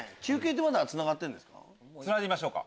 つないでみましょうか。